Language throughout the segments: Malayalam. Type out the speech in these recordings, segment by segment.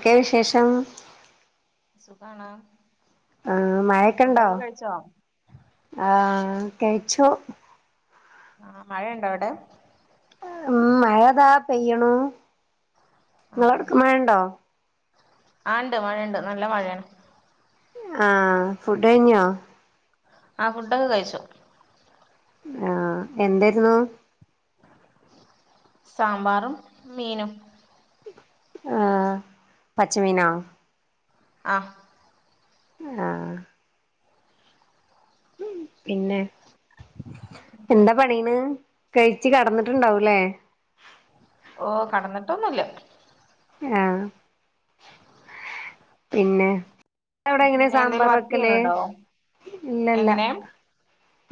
ക്കെ വിശേഷം സുഖാണാ? ആ മയക്കണ്ടോ? ആ കെയ്ച്ചു. ആ മഴണ്ടോ അവടെ? മ് മഴതാപെയ്യ്ണൂ ആഹ്. ആ ണ്ട്. മഴണ്ട്. നല്ല മഴേണ്. ആഹ്. ഫുഡ് അയിഞ്ഞോ? ആ ഫുഡൊക്കെ കയിച്ചു ആഹ്. എന്തേര്ന്നൂ. സാമ്പാറും, മീനും. ആഹ്. പച്ചമീനോ? ആഹ് ആഹ്. പിന്നെ? എന്താ പണീന്ന്. കെയ്ച്ച് കട്ന്ന്ട്ട്ണ്ടാവൂല്ലേ? ഓ കടന്ന്ട്ടൊന്നൂല്ല. ആഹ് പിന്നെ? വ്ടെ എങ്ങനെ പിന്നെ എന്തേലും സാമ്പാർ വർക്ക് വെക്കല്. ചെയ്യണുണ്ടോ ഇല്ലല്ല. എങ്ങനെ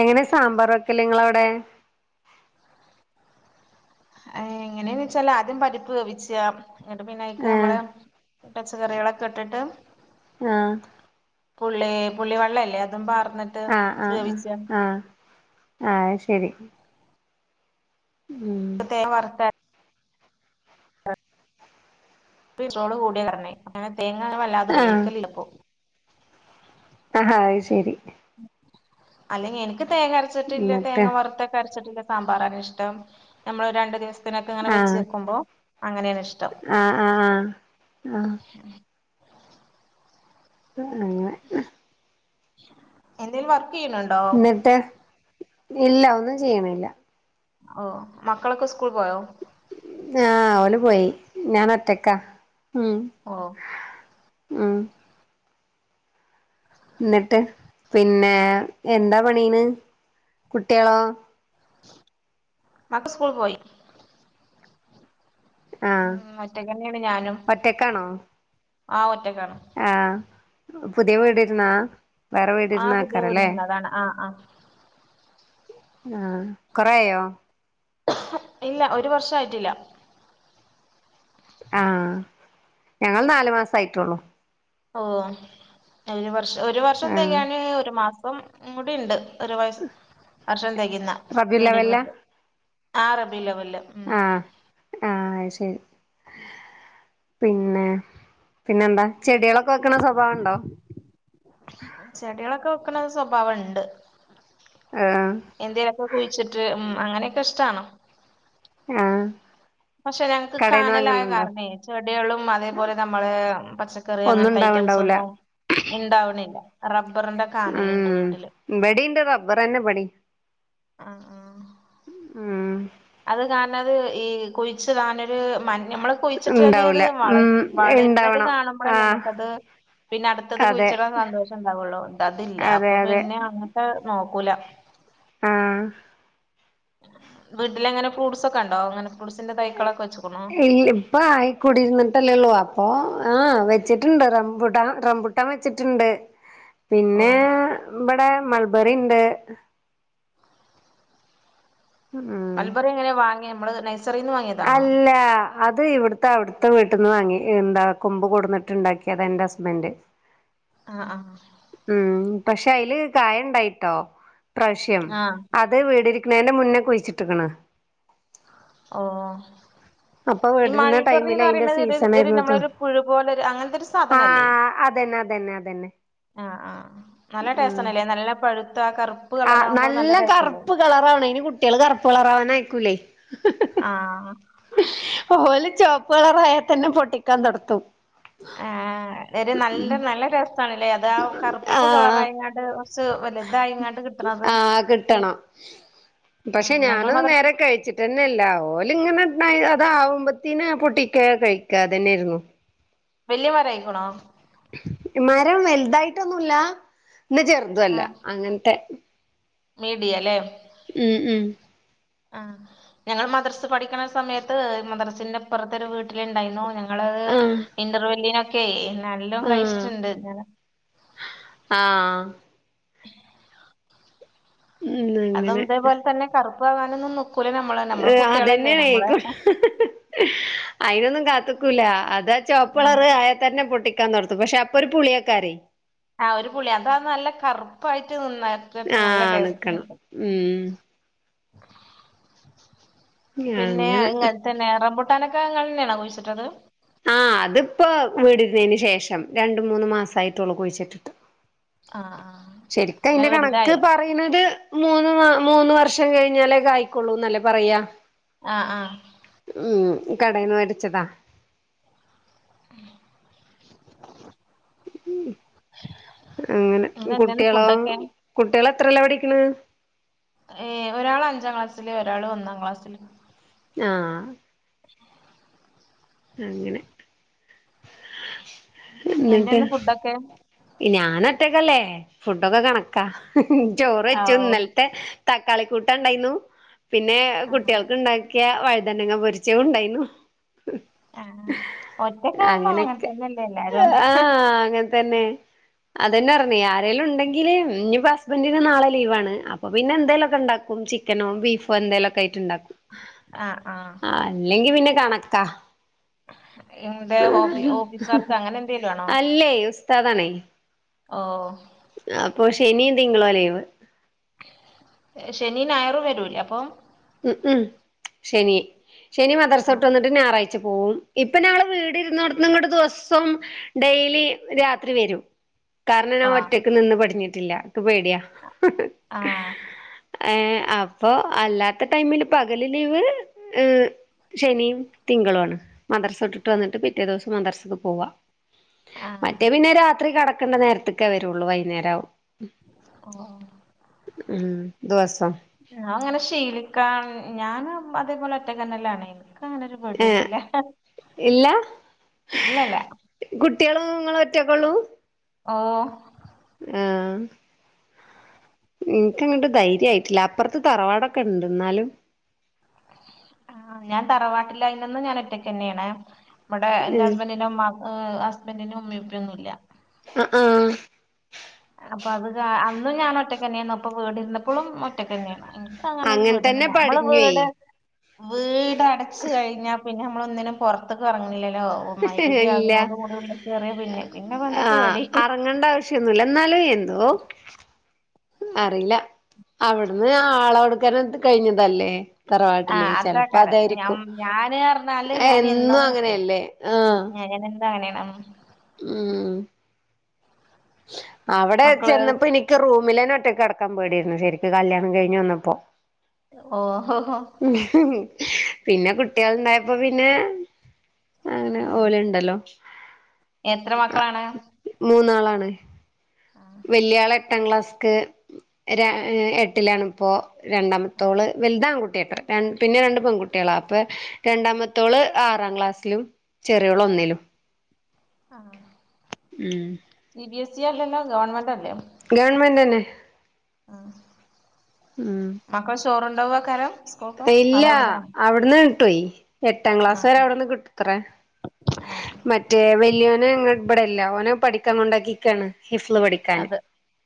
എങ്ങനെ സാമ്പാറ് വെക്കല് ങ്ങള അവ്ടെ? എങ്ങനെന്ന് വെച്ചാല് ആദ്യം പരിപ്പ് വേവിച്ചാ. ങ്ങട്ട് പിന്നെ അയക്ക് നമ്മളെ... ആ പച്ചക്കറികളൊക്കെ ഇട്ടിട്ട് ആഹ് പുള്ളേ പുള്ളിവള്ളല്ലേ അതും പാർന്ന് ആഹ ആഹ് ആ ആഹ ആ അഹ് ശരി. ഉം തേങ്ങ വർത്തര [unintelligible] കൂടിയ കാരണെ ങ്ങനെ തേങ്ങ വല്ലാതെ ആഹ് ഉപയോഗിക്കലില്ല ഇപ്പൊ. അ ആഹ് ശെരി. അല്ലെങ്കി ഇൻക്ക് തേങ്ങ അരച്ചിട്ടില്ല. എന്നിട്ട് തേങ്ങ വറുത്തൊക്കെ അരച്ചിട്ടില്ല സാമ്പാറാണ് ഇഷ്ടം. നമ്മൾ രണ്ടു ദിവസത്തിനൊക്കെ ങ്ങനെ വെച്ച് ആഹ് വെക്കുമ്പൊ അങ്ങനെണ് ഇഷ്ടം. ആഹ് ആഹ് ആഹ് ആഹ്. ഉം. [unintelligible] അങ്ങനെ എന്തേലും വർക്കെയ്യ്ണു... ന്നിട്ട്. ഇല്ല. ഒന്നും ചെയ്യണില്ല. ഓ. മക്കളൊക്കെ സ്കൂൾ പോയോ? ആഹ്. ഒല് പോയി. ഞാനൊറ്റക്ക. ഉം ഓ ഉം. ന്നിട്ട്. പിന്നെ എന്താ പണീണ്. കുട്ട്യളോ? അക്കെ സ്കൂൾ പോയി. മ്. ആഹ് ഒറ്റക്കന്നേണ് ഞാനും. ഒറ്റക്കാണോ ആ ഒറ്റക്കാണ്. ആഹ്. പുതിയ വീടിര്ന്നാ വേറെ വീട് ആ പുതിയ വീട് ഇര്ന്നാക്കാരല്ലേ? വന്നതാണ് ആ ആ ആഹ്. കൊറേയോ? ഇല്ല. ഒരു വർഷായിട്ടില്ല. ആഹ്. ഞങ്ങള് നാല് മാസാ യിട്ടുള്ളൂ. ഓ ഒരു വർഷം ഒരു വർഷം ആഹ് തികയാൻ ഒരു മാസം കൂടി ഉണ്ട്. ഒരു വയസ് വർഷം തികയുന്ന വിടിരുന്നു റബിയുല്ലവ്വലിലാ ആ റബിയുൽ അവല് ആ ആയ് ശരി പിന്നെ പിന്നെന്താ ചെടികളൊക്കെ വെക്കണ സ്വഭാവംണ്ടോ. ചെടികളൊക്കെ വെക്കണ സ്വഭാവണ്ട് ആഹ് എന്തേലൊക്കെ കുഴിച്ചിട്ട് ഉം അങ്ങനെയൊക്കെ ഇഷ്ട്ടാണ് ആഹ പക്ഷെ ഞങ്ങക്ക് കാനലായ കാരണേ? ചെടികളും അതേപോലെ നമ്മള് പച്ച കറി ഒന്നും അങ്ങനത്തെ ഐറ്റംസ് ഉണ്ടാവണ്ടാവൂല ഒന്നും ഉണ്ടാവുന്നില്ല. റബ്ബറിന്റെ കാനലുണ്ട് വീട്ടില് ഉം ബടിന്റെ റബ്ബറന്നെ ബടി [unintelligible] ഉം അത് കാരണം അത് ഈ കുഴിച്ച് ടാനരു മ നമ്മള് കുഴിച്ചിട്ടാലേ അത് ഉണ്ടാവൂല വള ഉം വളരത് ഇണ്ടാവണം കാണുമ്പോഴേ ആഹ് നമുക്കത് പിന്നെ അടുത്തത് അതെ കുഴിച്ചിടൻ സന്തോഷം ഉണ്ടാവുള്ളു. ഇത് അതില്ല അതെ അപ്പൊ അതെ പിന്നെ അങ്ങട്ട് നോക്കൂല ആഹ് വീട്ടിലെങ്ങനെ ഫ്രൂട്ട്സ് ഒക്കെ ഉണ്ടോ. അങ്ങനെ ഫ്രൂട്ട്സിന്റെ തൈക്കളൊക്കെ വെച്ച്ക്കോണോ. അപ്പ ആയിക്കൂടിരുന്നിട്ടല്ലേള്ളൂ അപ്പൊ ആ വെച്ചിട്ടുണ്ട് റംബുടൻ റംബുട്ടാൻ വെച്ചിട്ടുണ്ട്. ഓ പിന്നെ ഇവിടെ മൾബറി ഉണ്ട്. ഉം മൽബറി എങ്ങിനിയ വാങ്ങിയ നമ്മള് നൈസറിൽന്ന് വാങ്ങിയ അല്ല അത് ഇവിടുത്തെ, അവിടുത്തെ വീട്ടിൽ നിന്ന് വാങ്ങി. എന്താ കൊമ്പ് കൊടുന്നിട്ട്ണ്ടാക്കിയ അത് എൻ്റെ ഹസ്ബൻഡ്. ആഹ് ആഹ് ഉം പക്ഷെ അതില് കായുണ്ടായിട്ടോ. ഇ പ്രാവശ്യം ആഹ് അത് വിടിരിക്കണ മുന്നേ കുഴിച്ചിട്ടക്കാണ്. ഓ അപ്പൊ ഈ വീടിരുന്ന ടൈമിൽ മൾബറിന്ന് അതിന്റെ പറയണുന്നത് ഇത് സീസൺ ഇതൊരു നമ്മള ആയിരുന്നു ഒരു പുഴുപോലെ ഒരു അങ്ങനത്തെ ഒരു സാധനല്ലേ?. ആഹ് അതന്നെ, അതന്നെ, അതന്നെ ആഹ ആഹ് നല്ല ടേസ്റ്റ് ആണല്ലേ. നല്ല പഴുത്ത കറു ആഹ നല്ല കറുപ്പ് കളറവണം. ഇന് കുട്ടികള് കറുപ്പ് കളറവാൻ അയക്കൂല്ലേ. ആഹ് ഓല് ചോപ്പ് കളറായാ തന്നെ പൊട്ടിക്കാൻ തൊടത്തും ആഹ ഒരു നല്ല നല്ല രസാണല്ലേ അ അതാ കറുപ്പ് ആഹ് കളറായ്ങ്ങാട്ട് കുറച്ച് വല്ല്യതായിങ്ങാട്ട് കിട്ടണത് ആഹ് കിട്ടണം ആ പക്ഷെ ഞങ്ങൾ ഞാനത് മദ്രസ് നേരെ കഴിച്ചിട്ട് ന്നെല്ല ഓല്ങ്ങനെ അതാവുമ്പത്തേന് പൊട്ടിക്കാ കഴിക്കാതന്നെയായിരുന്നു വല്യ മരായിക്കണോ? മരം വലുതായിട്ടൊന്നുല്ല ന്നാ ചെറുതുല്ല ആഹ് അങ്ങനത്തെ മീഡിയല്ലേ ഉമ് ഉമ് ആ ഞങ്ങൾ മദ്രസ് പഠിക്കണ സമയത്ത് മദ്രസിന്റെപ്പുറത്തെ ഒരു വീട്ടിലുണ്ടായിരുന്നു ഞങ്ങ ഞങ്ങളത് ഇന്റർവല്ലിനൊക്കെ നല്ലോം ആഹ് കഴിച്ചിട്ടുണ്ട് ഞ ആഹ് ഉം അതും അങ്ങനെ ഇതേപോലെ തന്നെ കറുപ്പ്കാണാനൊന്നും ന്ക്കൂലേ നമ്മള നമ്മെ കുട്ടികളല്ലേ നമ്മള് അതന്നെയാണ് അയിനൊന്നും കാത്തിക്കൂല അതാ ചുവപ്പളറ് ആയാ തന്നെ പൊട്ടിക്ക നടത്തു പക്ഷെ അപ്പൊ ഒരു പുളിയക്കാരെ ആഹ് ഒരു പുളി അതാ നല്ല കറുപ്പായിട്ട്ന്ന നേർത്തിട്ട് നല്ല ആഹ് ടേസ്റ്റ് നിക്കണം ഉം പിന്നെ ഇ അങ്ങനെ തന്നെ ഏ റംബൂട്ടാനൊക്കെ ങ്ങൾ തന്നെയാ കുഴിച്ചിട്ടത്? ആഹ് അതിപ്പോ വീടിരുന്നതിന് ശേഷം രണ്ട് മൂന്ന് മാസായിട്ടുള്ളൂ കുഴിച്ചിട്ടിട്ട് ആഹ് ആ ശരിക്ക അയിന്റെ കണക്ക് പറയ യണത് മൂന്ന് മൂന്ന് വർഷം കഴിഞ്ഞാലേ കായിക്കൊള്ളൂ എന്നല്ലേ പറയാ ആഹ് ആഹ് ഉ കടയിൽന്ന് മേടിച്ചതാ അങ്ങനെ ഇന്ന് എന്തായിരുന്നു കുട്ടികളോ ഫുഡൊക്കെ കുട്ടികള് എത്രെല്ല പഠിക്കണ് ഏ ഒരാൾ അഞ്ചാം ക്ലാസ്സില് ഒരാള് ഒന്നാം ക്ലാസ്സില് ഞാ ഉ അങ്ങനെ എന്നിട്ട് ഓക്കെ ഞാന ഒറ്റക്കല്ലേ ഫുഡൊക്കെ കണക്കാ ചോറ് വെച്ചു ആവൂ ഇന്നൽത്തെ തക്കാളി കൂട്ടണ്ടായിന്നു പിന്നെ ആഹ് കുട്ടികൾക്ക് ഉണ്ടാക്കി യ വഴുതന്നങ്ങ പൊരിച്ചോ ണ്ടായിരുന്നു. ആഹ് ഒറ്റക്കാവുമ്പോ അങ്ങനെ അങ്ങനെക്കെ തന്നെയല്ലേ എല്ലാരും ആഹ് അങ്ങനെതന്നെ അതന്നെ പറഞ്ഞേ ആരെലും ണ്ടെങ്കിൽ ല്ഇപ്പ ഹസ്ബൻന്റിന് നാളെ ലീവാണ് അപ്പൊ പിന്നെ എന്തേലുംക്കെ ഉണ്ടാക്കും ചിക്കനോ ബീഫോ എന്തേലുക്കെ ആയിട്ട് ഉണ്ടാക്കും ആഹ് ആഹ് അല്ലെങ്കി പിന്നെ കണക്കാ എന്ത് ഓഫീ ഓഫീസ് വർക്ക് അങ്ങനെ എന്തേലും ആണോ അല്ലേ ഉസ്താദണെ ഓ അപ്പൊ ശനിയും തിങ്കളും ലീവ് ശെനിയും ഞായറും വരൂല്ലേ അപ്പം ഉം ഉം ശനി ശനി മദർസോട്ട് ആഹ് വന്നിട്ട് ഞായറാഴ്ച പോവും ഇപ്പൊ ഞങ്ങള് വീട് ഇരുന്നോ ത്തീന്ന് ങ്ങട്ദിവസം ഡെയിലി രാത്രി വരും കാരണം ഞാൻ ആഹ് ഒറ്റക്ക് നിന്ന് പഠിഞ്ഞിട്ടില്ല നക്ക് പേടിയാ ആഹ് ഏ അപ്പൊ അല്ലാത്ത ടൈമില് പകല് ലീവ് ഏ ശനിയും തിങ്കളു ആണ് മദ്രസ വിട്ടിട്ട് വന്നിട്ട് പിറ്റേ ദിവസം മദർസക്ക് പോവാ മറ്റേ ആഹ് പിന്നെ രാത്രി കടക്കണ്ട നേരത്തക്കെ വരള്ളൂ വൈകുന്നേരാവും ഓ ഉം ദിവസം ആ അങ്ങനെ ശീലിക്കാൻ ഞാന്അതേപോലെ ഒറ്റക്കന്നെ ലാണ് എനിക്കങ്ങനൊരു ഏഹ് പേടിയൊന്നുംല്ല ഇല്ല ഇല്ലല്ല. കുട്ടികളും നിങ്ങള ഒറ്റക്കുള്ളൂ ഓ ആഹ് എനിക്ക്ങ്ങോട്ട് ധൈര്യയിട്ടില്ല അപ്പുറത്തെ തറവാടൊക്കെ ഉണ്ട് എന്നാലും ആഹ് ഞാൻ തറവാട്ടില് ആയിരുന്നെന്നും ഞാൻ ഒറ്റയ്ക്ക് തന്നെയാണ് ഇവടെ എന്റെ ഉം ഹസ്ബന്റിന്റെ ഉമ്മാക്ക് ഹസ്ബന്റിന്റെ ഉമ്മയും ഉപ്പയും ഒന്നും ഇല്ല അ ആ അപ്പൊ അത് കാ അന്നും ഞാൻ ഒറ്റക്ക് തന്നെയായിരുന്നു അപ്പൊ വീടി ഇരുന്നപ്പോഴും ഒറ്റക്കന്നെയാണ് [unintelligible] അങ്ങനൊരു അങ്ങൻ പേടി തന്നെ ഒന്നുല്ലനമ്മള് പടിഞ്ഞുവേ വീട് വീടടച്ച് കഴിഞ്ഞ പിന്നെ നമ്മള് ഒന്നിനും പുറത്തെക്ക് ഇറങ്ങുന്നില്ലല്ലോ ഓ മൈരുപി ഇല്ല ആകുന്നോട് കൂടി കേറിയ പിന്നെ പിന്നെ എന്താ പേടി അങ്ങേണ്ട ആവശ്യന്നുല്ല എന്നാലും എന്തോ അറിയില്ല അവിടുന്ന് ആളെ കൊടുക്കാന കഴിഞ്ഞതല്ലേ ആ തറവാട്ടില്ചെലപ്പോ അതാക്കാരം ഞം അതായിരിക്കും ഞാന് പറഞ്ഞാല് ഞാൻ എന്നും അങ്ങനെയല്ലേ ആ ഇത്അങ്ങനെ തന്നെയാണ് ഉം അവിടെ മക്കള് ചെന്നപ്പോ നിക്ക് റൂമിലേന്ന ഒറ്റക്ക് കിടക്കാ പേടെയ്രുന്നു ശെരിക്ക് കല്യാണം കഴിഞ്ഞ് വന്നപ്പോ ഓഹ് ഹോ ഹോ പിന്നെ കുട്ടികള്ണ്ടായപ്പോ പിന്നെ അങ്ങനെ ആ ഓലുണ്ടല്ലോ എത്ര മക്കളാണ് മൂന്നാളാണ്.. വെല്യാള് എട്ടാ ക്ലാസ്ക്ക് ര എട്ടിലാണിപ്പോ. ആ രണ്ടാമത്തോള് വലുത് ആൺകുട്ടിയാട്ടാ പിന്നെ രണ്ട് പെൺകുട്ട്യേളാ അപ്പോ രണ്ടാമത്തോള്. ആറാ ക്ലാസ്സിലും ചെറിയോള് ഒന്നിലും. ആഹ് ഉം സി ബി എസ് സി അല്ലല്ലോ ഗവൺമെൻറ് അല്ലേ. ഗവൺമെൻ്റെന്നെ ആഹ് ഉം മക്കൾ ചോറുണ്ടാവോകാരം. ഇല്ല അവിടുന്ന് കിട്ടോയ് എട്ടാ ക്ലാസ് വരെ ആഹ് അവിടെന്ന് കിട്ടു ത്ര ആഹ് മറ്റേ വല്യോന് ഇബടല്ല ഓനെ പഠിക്കാൻ കൊണ്ടാക്കിക്കാണ്. ഹിഫ്ള് പഠിക്കാന് അത്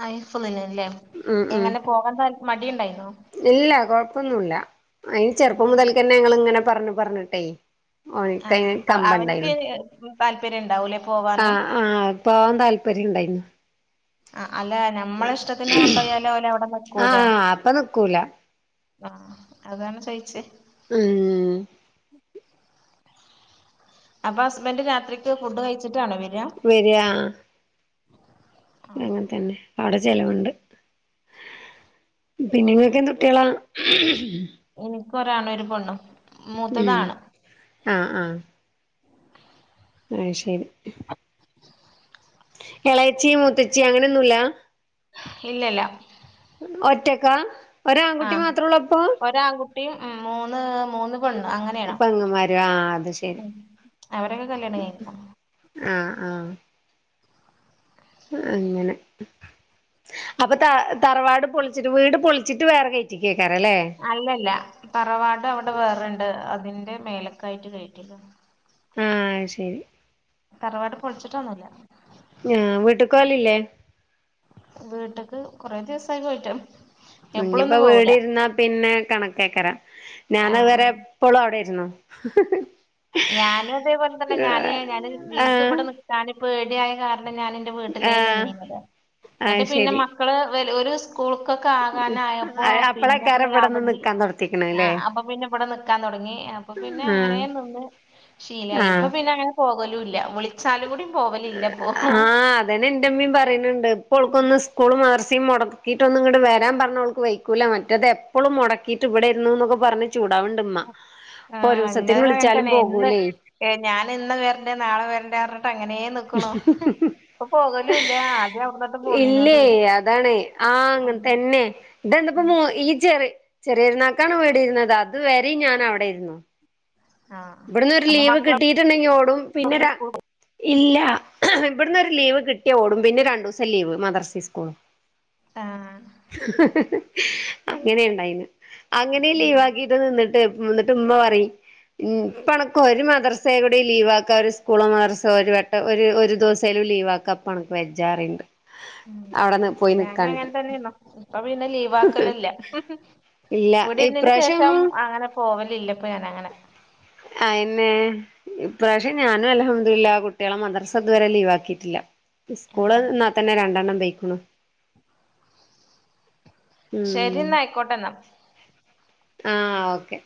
ആഹ് ഹിഫ്ള്‌ലല്ലേ ഉം ഉം എങ്ങനെ പോകാൻ താൽ മടിണ്ടായിരുന്നോ. ഇല്ല കൊഴപ്പൊന്നുല്ല അയ് ചെറുപ്പം ആഹ് മുതൽക്കന്നെ ഞങ്ങളിങ്ങനെ പറഞ് പറഞ്ഞിട്ടേ. ഓൻകയിന് ആഹ് അവൻക്ക് കമ്പണ്ടായിനു താല്പര്യം ഉണ്ടാവൂലേ പോവാന് ആഹ് ആഹ് പോകാൻ താല്പര്യണ്ടായിരുന്നു അ അല്ല നമ്മളിഷ്ടത്തിന് കൊണ്ടോയാലു ഓലെ അവിടെ നിക്കൂല. ആഹ് അപ്പൊ നിക്കൂല അഹ് അതാണ് ചോയിച്ചേ ഉം ഉം അപ്പൊ ഹസ്ബൻ്റ് രാത്രിക്ക് ഫുഡ് കഴിച്ചിട്ടാണോ വരാ.. വരാ. അങ്ങനെ തന്നെ അവിടെ ചെലവുണ്ട് നിങ്ങക്കെന്തുട്ട്യെളാ ഹും നിക്ക് ഒരാണും ഒരു പെണ്ണും ഉം മൂത്തതാണ് ആഹ് ആഹ് അയ്ശരി. എളെയെച്ചി മൂത്തെച്ചി അങ്ങനെ ഒന്നും ഇല്ല ഇല്ല ഇല്ല ഒറ്റക്കാ? ഒര് ആങ്കുട്ടി ആഹ് മാത്രോള്ളു അപ്പൊ? ഒരാൺകുട്ടിയും ഉം മൂന്ന് മൂന്ന് പെണ്ണ് അങ്ങനെയാണ് പെങ്ങമ്മാരും ആഹ് അത് ശെ ശരി ഉം അവരൊക്കെ കല്യാണം കഴ്ഞ്ഞോ? ആഹ് ആഹ് ആഹ് അങ്ങനെ അപ്പ ത തറവാട് പൊളിച്ചിട്ട് വീട് പൊളിച്ചിട്ട് വേറെ കെയ്റ്റിക്കെക്കാരം ലെ അല്ല അല്ല തറവാട് അയടെ വേറെ ഇണ്ട് അതിന്റെ മേലക്കായിറ്റ് കെയ്റ്റിക്ക്ണ് ആഹ് അഹ് ശെരി തറവാട് പൊൾച്ച്ട്ടൊന്നും ഇല്ല ഞാ വീട്ട്ക്ക് പോവെൽ ഇല്ലെ വീട്ട്ക്ക് കൊറെ ദിവസായി പോയിട്ട് ഇഞ്ഞ് ഇപ്പം എപ്പളൊന്നും വീട് പോവൂല ഇരുന്നാ പിന്നെ കണക്കെയ്ക്കാരം ഞാൻ അയ് ആഹ് വെരെ ആഹ് ഇപ്പെളും അയുടെ ഇര്ന്നോ ഞാനും അതേപോലെ തെന്നെ ഞാന് ഞാന് ഇൻക് ആഹ് ഇബെടെ നിക്കാന് പേടിയായ കാരണം ഞാൻ ഇന്റെ വീട്ടിലെ ആഹ് നിന്നിനെത് അത് ഇന്നെട്ട് പിന്നെ ശരി മക്കെൾ വെല് ഓൽ സ്കൂ ക്കൊക്കെ ആവാനായപ്പം പിന്നെ അപ്പളേക്കാരം പോയ ഇവിടെന്ന് അവെടിം നിക്കാൻ തൊടത്തിക്ക്ണല്ലേ ആഹ് അപ്പ പിന്നെ ഇബെടെ നിക്കാ തൊടങ്ങി അപ്പ പിന്നെ ആഹ് അങ്ങനെ നിന്ന് ശീലായി ഇപ്പ ആഹ് പിന്നെ അങ്ങെനെ പോകലും ഇല്ല വിൾച്ചാലും കൂടി പോവെ ആഹ് അതന്നെ ഇന്റെ മ്മീം പറയനിണ്ട് ഇപ്പോൾക്കൊന്ന് സ് സ്കൂളും മദെർസിം മൊടക്കിയിട്ടൊന്നും ഇങ്ങെട്ട് വെരാൻ പർണാ ഓൾക്ക് വെയ്ക്കൂലാ മറ്റെത് എപ്പളും മൊട ക്കിട്ട് ഇവെടെയ്രുന്നു ഇന്നൊക്കെ പർണ് ചൂടാവ് ഇണ്ട് ഇമ്മ ഇപ്പോ ആഹ് ഒരുസെത്തിന് ഇന്നതും അങ്ങനെ വിൾച്ചാലും തന്നെ ഇന്ന് പോകൂലെയ് ഏഹ് ഞാൻ ഇന്ന് വെര്ണ്ട് നാളെ വെര്ണ്ട് പർൺട്ട് അങ്ങനെ നിക്ക് ആദ്യം അവിടന്നിട്ട് [inaudible] പോന്നീന്നതും ഇല്ല ഇല്ലേയ് അതാണേ ആഹ് അങ്ങനെ തന്നെ ഇതെന്താപ്പോ മൂ ഈ ചെറി ചെറെര്ന്നാക്കാണ് വീട് ഇര്ന്നെത്. അത് വെരിം ഞാൻ അയുടെയ്രുന്നു. ആഹ് ഇബെട്ന്ന് ഒര് അപ്പൊ ലീവ് മക്കളെ കിട്ടിട്ട് ഇണ്ടെങ്കി ഓടും പിന്നെ ര ഇല്ല ഇബെട്ന്ന് ഒര് ലീവ് കിട്ടിയാ ഓടും പിന്നെ രണ്ടുസം ലീവ് മദെർസി സ്കൂളും [inaudible] ആഹ് അങ്ങനെ ഇണ്ടായിനെ അങ്ങനീം ഉം ലീവാക്കിട്ട് നിന്ന്ട്ട് ഉം ഇന്നെട്ട് ഇമ്മ പറിം ഉം ഇപ്പ അണെക്ക് ഒര് മദെർസെ കൂടി ലീവാക്കാ ഒര് സ്കൂളോ മദെർസോ ഒര് വട്ടം ഒര് ഒരു ദുവ്സേലും ലീവ് ആക്കാ ഇപ്പ അണെക്ക് വെജ്ജാ പറി ഇണ്ട് [inaudible] ഞാനും അങ്ങെൻ തെന്നെയ്ന്നു ഇപ്പ പിന്നെ ലീവാക്കെൽ ഇല്ല ഇല്ല വീട് ഇര്ന്നീന് ഇപ്രാവശ്യം ശേഷം ഒന്നും അങ്ങനെ പോവെൽ ഇല്ല ഇപ്പം ഞാൻ അങ്ങനെ അയെന്നെ ഇപ്രാവ്ശ്യം ഞാനും അൽഹംദുലില്ലാഹ് കുട്ടിയാളെ മദെർസ ഇതുവെരെ ലീവാക്കീട്ട് ഇല്ല ഇസ്കൂള് ആഹ് ഇന്നാ തെന്നെ രണ്ടെണ്ണം പെയ്‌ക്കുണു ഉം ശരിന്നാ ആയിക്കോട്ടെന്നാ ആഹ് ഓക്കെ